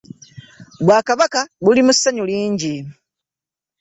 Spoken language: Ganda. Bwakabaka buli mu ssanyu lingi.